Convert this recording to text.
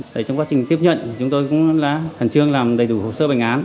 trong quá trình tiếp nhận chúng tôi cũng là khẩn trương làm đầy đủ hồ sơ bệnh án